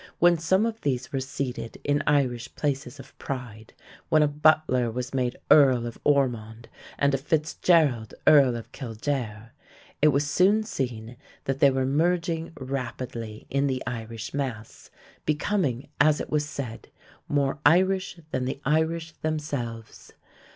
When some of these were seated in Irish places of pride, when a Butler was made Earl of Ormond and a Fitzgerald, Earl of Kildare, it was soon seen that they were merging rapidly in the Irish mass, becoming, as it was said, "more Irish than the Irish themselves."